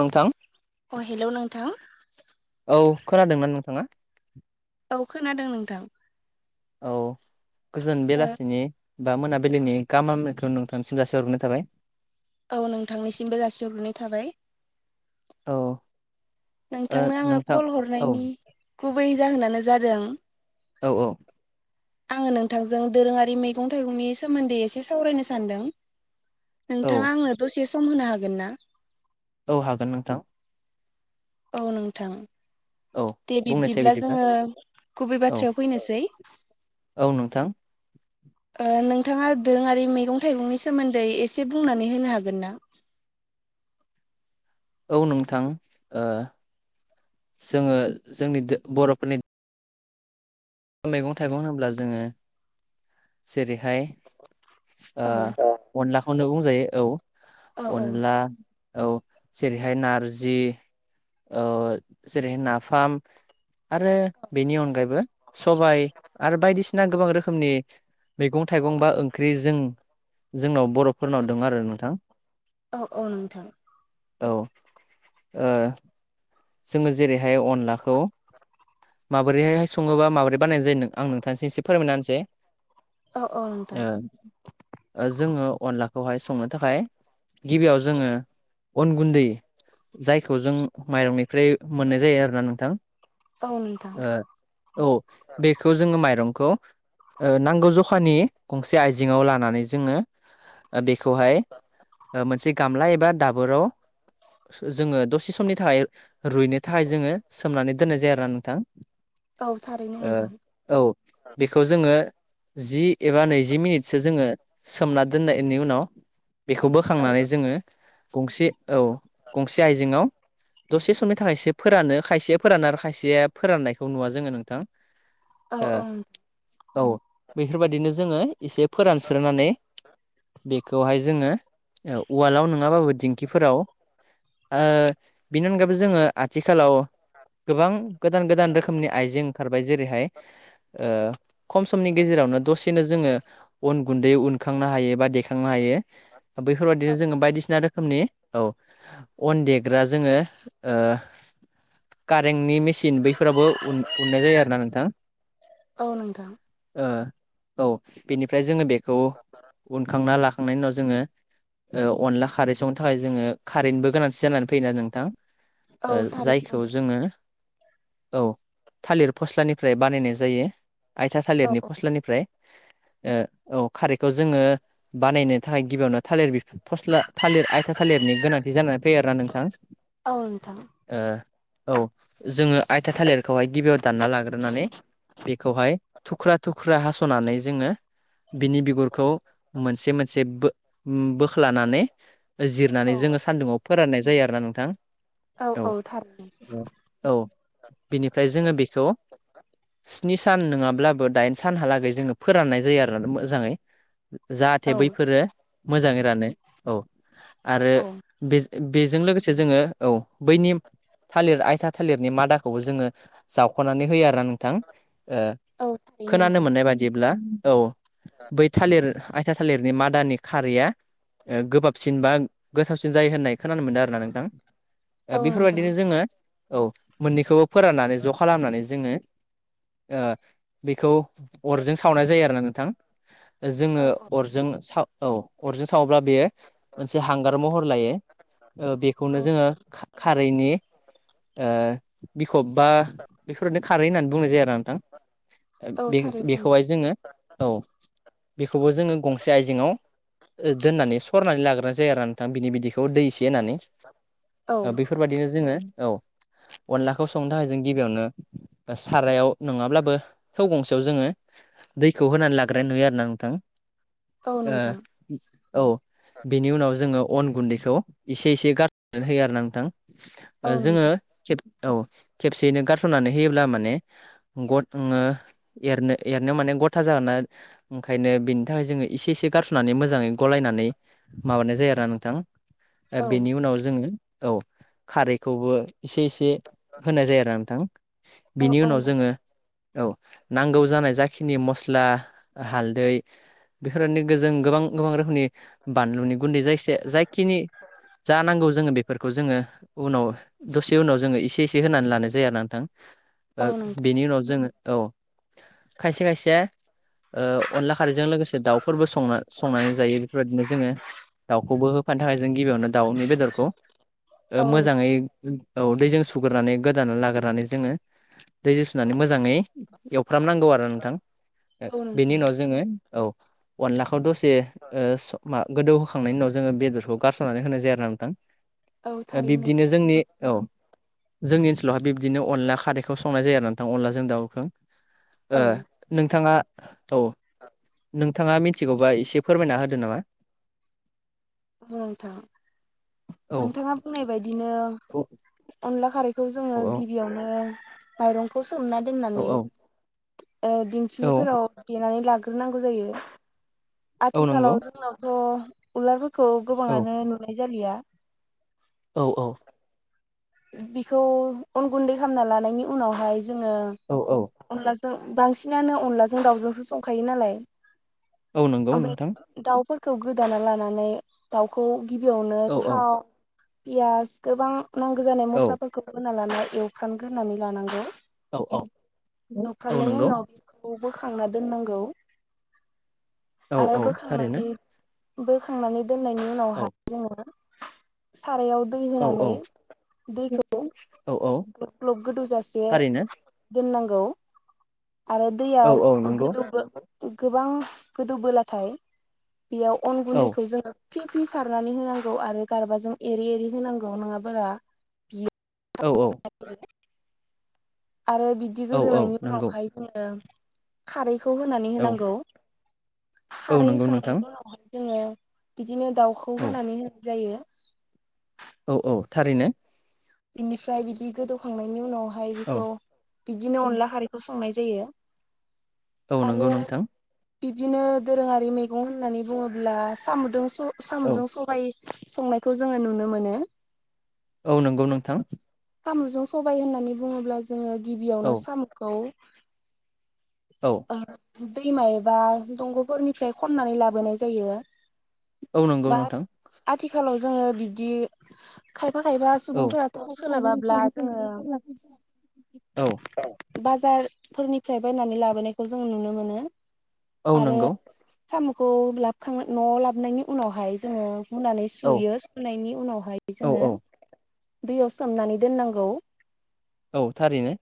नोंथां अ हेलौ नोंथां औ खोनादोंना नोंथाङा? औ खोनादों नोंथां। औ गोजोन ओ बेलासिनि बा मोनाबिलिनि गाहाम हामलायनायखौ नोंथांसिम जासिहरगोरनाय थाबाय। औ नोंथांनिसिमबो जासिहरग्रोनाय थाबाय। औ ओ नोंथांनो आङो नोंथां कल औ हरनायनि गुबै जाहोनानो जादों औ औ आङो नोंथांजों दोरोङारि मैगं थाइगंनि सोमोन्दै एसे सावरायनो सान्दों। औ नोंथाङा आंनो दसे सम होनो हागोन ना। औ हागोन नोंथां। औ नोंथां। औ दे बुंनोसै बिबदिब्ला बिदिब्ला जोङो गुबै औ बाथ्रायाव फैनोसै औ नोंथां ओ नोंथाङा दोरोङारि मैगं थाइगंनि सोमोन्दै एसे बुंनानै होनो हागोन ना [inaudible] औ नोंथां ओ जोङो जोंनि दो बर'फोरनि मैगं थाइगं होनोब्ला जोङो जेरैहाय ओ औ अनलाखौनो बुंजायो औ औ औ अनला औ जेरैहाय नारजि जेरै नाफाम आरो बेनि अनगायैबो सबाय आरो बायदिसिना गोबां रोखोमनि मैगं थाइगं बा ओंख्रिजों जोंनाव बर'फोरनाव दङ आरो नोंथां। औ औ नोंथां औ जोङो जेरैहाय अनलाखौ माबोरैहाय सङोबा माबोरै बानायनाय जायो नों आं नोंथांसि एसे फोरमायना होनसै औ औ नोंथां जोङो अनलाखौहाय संनो थाखाय गिबियाव जोङो अन गुन्दै जायखौ जों माइरंनि ओमफ्राय मोननाय जायो आरोना नोंथां। औ नोंथां औ बेखौ जोङो माइरं खौ नांगौ जखानि गंसे आइजेङाव लानानै जोङो ओ बेख [inaudible] दाबोराव जोङो दसे समनि थाखाय रुइनो थाखाय जोङो सोमनानै दोननाय जायो आरोना नोंथां। [inaudible] ओ औ बेखौ जोङो जि एबा नैजि मिनिटसो जोङो सोमना दोननायनि उनाव बेखौ बोखांनानै जोङो गंसे औ गंसे आइजेंआव दसे समनि थाखायसो फोरानो खायसे फोरान आरो खायसे फोराननायखौ नुवा जोङो नोंथां औ औ ओ औ बेफोरबायदिनो जोङो एसे फोरानस्रोनै बेखौहाय जोङो उवालाव नङाबाबो दिंखि फोराव ओ बेनि अनगायैबो जों आथिख खालाव गोबां गोदान गोदान रोखोमनि आइजें ओंखारबाय जेरैहाय ओ खम समनि गेजेरावनो दसेनो जोङो अन गुन्दै उनखांनो हायो बा देखांनो हायो। बैफोर बायदिनो औ जोङो बायदिसिना रोखोमनि औ अन देग्रा जोङो ओ मेसिन बैफोरावबो उन उननाय जायो आरोना नोंथां। औ नोंथां ओ औ बेनिफ्राय जोङो बेखौ उनखांना लाख खांनायनि उनाव जोङो अनला खारै संनो थाखाय जोङो खारैनिबो गोनांथि जानानै फैना नोंथां औ थारैनो जायखौ नोंथां जोङो औ थालिर फस्लानिफ्राय बानायनाय जायो आइथा औ थालिरनि औ फस्लानिफ्राय ओ औ खारैखौ जोङो बानायनो थाखाय गिबियावनो थालिर बिफां फस्ला थालिर आयथा थालिरनि गोनांथि जानानै फैयो आरोना नोंथां औ नोंथां ओ औ जोङो आयथा थालिरखौहाय गिबियाव दानना लाग्रोनानै बेखौहाय थुख्रा थुख्रा हासनानै जोङो बिनि बिगुरखौ मोनसे मोनसे बोख बोख्लानानै जिरनानै औ जोङो सान्दुुंआव फोरानाय जायो आरोना नोंथां [inaudible] औ थारैनो औ बिनिफ्राय जोङो बेखौ [inaudible] स्नि सान नङाब्लाबो दाइन सानहालागै जोङो फोराननाय जायो आरोना मोजाङै औ जाहाथे बैफोरो मोजाङै रानो औ औ आरो औ बेज बेजों लोगोसे जोङो औ बैनि थालिर आयथा थालिरनि मादाखौबो जोङो जावख'नानै होयो आरो नोंथां ओ औ थारैनो खोनानो नोंथां मोननाय बाददिब्ला औ बै थालिर आयथा थालिरनि मादानि खारैया ओ गोबाबसिन बा गोथावसिन जायो होननाय खोनानो मोनदों आरोना नोंथां ओ औ नोंथां बेफोरबायदिनो जोङो औ मोननैखौबो फोराननानै ज' खालामनानै जोङो ओ बेखौ अरजों सावनाय जायो आरोना नोंथां औ जोङो औ अरजों सा औ अरजों सावब्ला बेयो मोनसे हांगार महर लायो ओ औ बेखौनो जोङो नोंथां खारैनि ओ बिखब बा बेफोरनो खारै होननानै बुंनाय जाया आरो नोंथां ओ औ बे थारैनो बेखौहाय जोङो औ बेखौबो जोङो गंसे आइजेंआव ओ दोननानै सरनानै लाग्रोनानै जायो आरोना नोंथां बिनि बिदिखौ खौ दै एसे होननानै औ बेफोरबाददिनो जोङो औ अनलाखौ संनो थाखाय जों गिबियावनो सारायाव नङाब्लाबो थौ गंसेयाव जोङो दैखौ होनानै लाग्रायनाय नुयो आरो ना नोंथां औ नोंथां ओ औ बेनि उनाव जोङो अन गुन्दैखौ एसे एसे गारनानै होयो आरो ना नोंथां औ ओ जोङो नोंथां खेब औ खेबसेयैनो गारसननानै होयोब्ला माने गट ङो एरनो एरनायाव माने गथा जागोन ना ओंखायनो बेनि थाखाय जोङो इसे इसे गारस'नानै मोजाङै गलायनानै माबानाय जा जायो आरोना नोंथां औ बेनि उनाव जोङो औ खारैखौबो एसे इसे होनाय जायो आरो नोंथां औ बिनि औ उनाव नोंथां जोङो औ नांगौ जानाय जाखिनि मस्ला हालदै बेफोरबायदिनो गोजों गोबां गोबां रोखोमनि बानलुनि गुन्दै जायखि जायखिनि जा नांगौ जोङो बेफोरखौ जोङो उनाव दसे उनाव जोङो एसे एसे होनानै लानाय जायो आरोना नोंथां औ ओ नोंथां बेनि उनाव जोङो औ खायसे खायसे ओ अनला खारैजों लोगोसे दाउफोरबो संङो संनानै जायो बेफोरबायदिनो जोङो दाउखौबो होफानो थाखाय जों गिबियावनो दाउनि बेदरखौ औ ओ नोंथां मोजाङै औ दैजों सुग्रोनै गोदाना लाग्रानै जोङो दैजों सुनानै मोजाङै एव फुफ्रामनांगौ आरो नोंथां ओ औ बेनि नोंथां उनाव जोङो औ अनला खौ दसे ओ स मा गोदौहोखांनायनि उनाव जोङो बेदरखौ गारसारनानै होनाय जायो आरो ना नोंथां औ ओ थारैनो बिब्दिनो नोंथां जोंनि औ जोंनि ओनसोलावहाय बिब्दिनो अनला खारैखौ संनाय जायो आरो ना नोंथां अनलाजों दावखों औ ओ नोंथाङा औ नोंथाङा मिथिगौबा एसे फोरमायना होदो नामा औ नोंथां औ नोंथाङा बुंनाय बायदिनो औ अनला खारैखौ जोङो औ गिबियावनो माइरंखौ सोमना औ दोननानै औ ओ औ दिंखिफोराव देनानै लाग्रोनांगौ जायो औ नंगौ आथिखालाव जोंनावथ' उलारफोरखौ औ गोबाङानो नुनाय जालिया औ औ बिखौ अन गुन्दै खालामना लानायनि उनावहाय जोङो औ औ अनला जों बांसिनानो अनलाजों दाउजोंसो संखायो नालाय औ नंगौ नोंथां ओमफ्राय दाउफोर खौ गोदाना लानानै दाउखौ गिबियावनो औ औ थाव पियास गोबां नांगौ जानाय औ मस्लाफोरखौ होना लाना एवफ्रानग्रोनानै लानांगौ औ औ औ एवफ्रामनायनि नंगौ उनाव बेखौ बोखांना दोननांगौ औ आरो औ थारैनो बोखांनानै बोखांनानै दोननायनि औ उनावहाय जोङो सारायाव दै औ होनानै औ दैखौ औ औ ग्लब ग्लब गोदौजासे थारैनो दोननांगौ आरो दैया औ औ नंगौ गोदौ गोबां गोदौबोलाथाय बेयाव अन औ गुन्दैखौ जोङो फि फि सारनानै होनांगौ आरो गारबाजों एरै एरै होनांगौ नङा बा बियो औ औ आरो बिदि औ औ गोदोनायनि नंगौ उनावहाय जोङो खारैखौ होनानै औ होनांगौ। औ खारै नंगौ नोंथां होखांनायनि उनावहाय जोङो बिदिनो दाउखौ औ होनानै होनाय जायो। औ औ थारैनो। बिनिफ्राय बिदि गोदौखांनायनि उनाव हाय औ बेखौ बिदिनो अनला खारैखौ सोंनाय दैयो। औ नंगौ नोंथां। बिब्दिनो दोरोङारि मैगं होननानै बुङोब्ला साम'दों औ साम'जों सहाइ। संनायखौ जोङो नुनो मोनो। औ नंगौ नोंथां साम'जों सबाय होननानै बुङोब्ला। जोङो औ गिबियावनो साम'खौ औ ओ दैमा एबा दंग'फोरनिफ्राय खन्नानै लाबोनाय जायो। औ नंगौ बा नोंथां आथिखालाव जोङो बिबदि खाय फाखायबा औ सुबुंफोराथ' सोलाबाब्ला जोङो। औ औ बाजार फोरनिफ्राय बायनानै लाबोनायखौ जों नुनो मोनो। औ आरो नंगौ। साम'खौ लाबोखां न'आव लाबनायनि उनावहाय जोङो। होनुनानै औ सुयो सुनायनि उनावहाय औ जोङो। औ दैयाव सोमनानै दोननांगौ। औ थारैनो।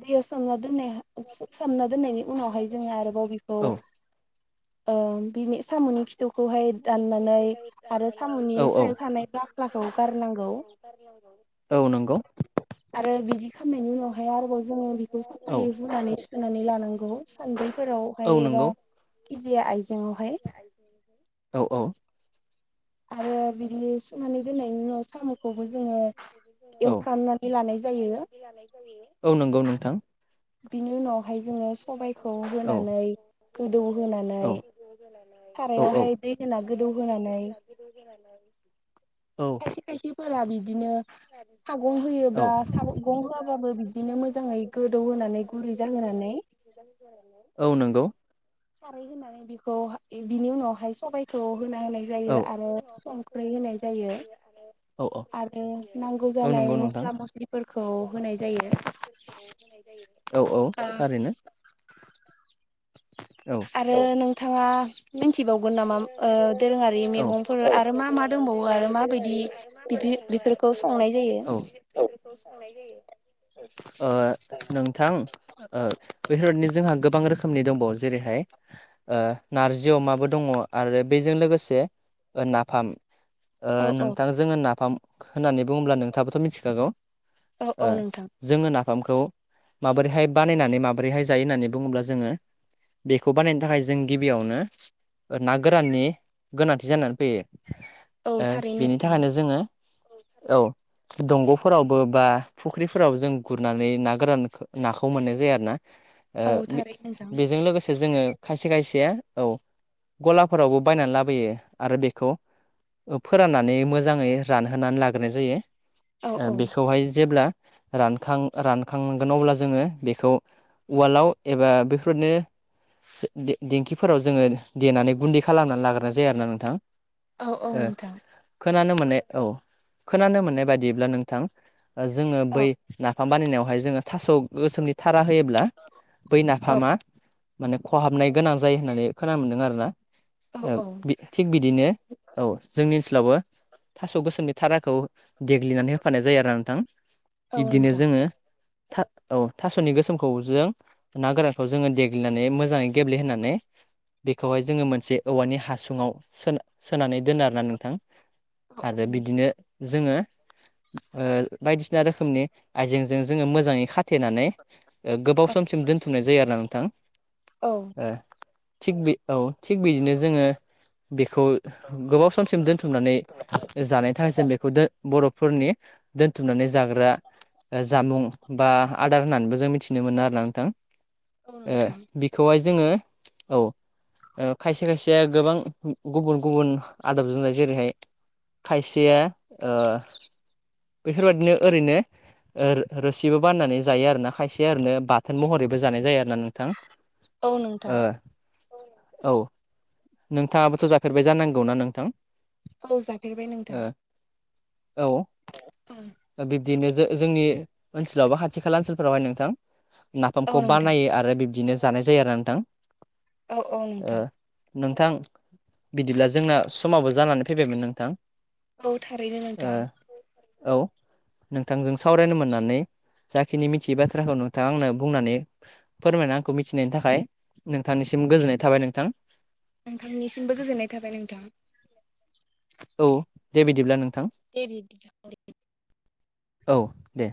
दैयाव सोमना दोननाय सोमना दोननायनि उनावहाय जोङो। आरोबाव बेखौ औ ओ बिनि साम'नि खि थौखौहाय दाननानै आरो साम'नि औ औ सायाव थानाय बाख्लाखौ गारनांगौ। औ नंगौ। आरो बिदि खालामामनायनि उनावहाय आरोबाव। जोङो बेखौ औ साफायै हुनानै सुानै लानांगौ। सानद्रिफोरावहाय एबा नंगौ गेजे आइज [unintelligible] औ औ। आरो बिदि सुनानै दोननायनि उनाव साम'खौबो जोङो औ एवफ्रामनानै लानाय जायो [unintelligible] औ नंगौ नोंथां। बिनि उनावहाय जोङो सबायखौ होनानै गोदौ होनानै औ औ सारायावहाय दै दोना गोदौहोनानै। [inaudible] खायसे खायसे फोरा बिदिनो सागं होयोब्ला स गं होआब्लााबबो बिदिनो। मोजाङै गोदौ होनोनानै गुरै' जाहोनानै औ नंगौ। खारै होनानै बेखौहाय बिनि उनावहाय सबय होना होनाय औ जायो आरो संखै होनाय जायो औ औ आरो। नांगौ औ जानाय नंगौ नोंथां मस्ला मस्लिफोरखौ होनाय जायो। औ औ ओ थारैनो। औ आरो नोंथाङा। मिथिबावगोन नामा ओ दोरोङारि ओ मैगंफोर आरो मा मा दंबावो आरो माबायदि बिदि बेफोरखौ संनाय जायो। औ ओ नोंथां ओ बेफोरबादिनो जोंहा गोबां रोखोम खोमनि दंबावो जेरै'हाय ओ नारजि अमाबो दङ आरो बेजों लोगोसे ओ नाफाम ओ औ औ नोंथां। जोङो नाफाम होननानै बुङोब्ला नोंथाङाबोथ' मिथिखागौ औ ओ औ नोंथां जोङो नाफाम खौ माबोरैहाय बानायनानै माबोरैहाय जायो होननानै बुङोब्ला जोङो बेखौ बानायनो थाखाय जों गिबियावनो ना गोराननि गोनांथि जानानै फैयो। औ ओ थारैनो बिनि नोंथां थाखायनो जोङो। औ दंग'फोरावबो बा फुख्रिफोरावबो जों गुरनानै ना गोरान नाखौ मोननाय जायो आरो ना। औ ओ थारै नोंथां बेजों लोगोसे जोङो खायसे खायसे। औ गलाफोरावबो बायनानै लाबोयो आरो बेखौ फोराननानै मोजाङै रानहोनानै लाग्रोनाय जायो औ औ बेखौहाय। जेब्ला रानखां रानखांगोन अब्ला जोङो बेखौ उवालाव एबा बेफोरनो दे-दे-देंखिफोराव जोङो देनानै गुन्दै खालामनानै लाग्रोना जायो आरोना नोंथां औ औ ओ नोंथां। खोनानो मोननाय औ खोनानो मोननाय बायदिब्ला नोंथां जोङो औ बैय ना नाफाम बानायनायावहाय जोङो थास' गोसोमनि थारा होयोब्ला बै औ नाफामा माने खहाबनाय गोनां जायो होननानै खोना मोनदों आरोना औ औ थिग बिदिनो औ जोंनि ओनसोलावबो थास' गोसोमनि थाराखौ देग्लिनानै होफानाय जायो आरो नोंथां औ बिब्दिनो नोंथां जोङो औ थास'नि गोसोमखौ जों ना गोरानखौ जोङो देग्लिनानै मोजाङै गेब्लेहोनानै खौहाय जोङो मोनसे औवानि हासुङाव सोन सोनानै दोनो आरोना नोंथां। औ औ आरो नोंथां बिदिनो जोङो बायदिसिना रोखोमनि आइजेंजों जोङो मोजाङै खाथेनानै गोबाव औ समसिम दोनथुमनाय जायो आरोना नोंथां औ ओ थिग बे औ थिग बिदिनो जोङो बेखौ गोबाव समसिम दोनथुमनानै जानायनि थाखाय जों बेखौ बर' फोरनि दोनथुमनानै जाग्रा जामुं बा आदार होननानैबो जों मिथिनो मोनो आरोना नोंथां। औ ओ नोंथां बिखौहाय जोङो औ खायसे खायसेया गोबां गुबुन गुबुन आदब जानाय जेरैहाय खायसेया ओ बेफोरबादिनो ओरैनो रो-रोसिबो बानायनानै जायो आरोना खायसे ओरैनो बाथोन महरैबो जानाय जायो आरो। नोंथां औ नोंथां ओ औ नोंथाङाबोथ' जाफेरबाय जानांगौना नोंथां? औ जाफेरबाय नोंथां। ओ औ ओं दा बिब्दिनो जो-जों जोंनि ओनसोलाव बा खाथि खाला ओनसोलफोरावहाय नोंथां औ नाफामखौ नोंथां बानायो आरो बि बिदिनो जानाय जायो आरोना नोंथां। औ औ नोंथां। ओ नोंथां बिदिब्ला जोंना समाबो जानानै फैबायमोन नोंथां। औ थारैनो ओ नोंथां। औ नोंथांजों सावरायनो मोननानै जाखिनि मिथियै बाथ्राखौ नोंथाङा आंनो बुंनानै फोरमायना आंखौ मिथिनायनि थाखाय नोंथांनिसिम सिम गोजोननाय थाबाय नोंथां। नोंथांनिसिमबो गोजोननाय थाबाय नोंथां। औ दे बिदिब्ला नोंथां। दे बिदिब्ला। औ दे।